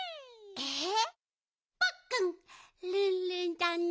えっ！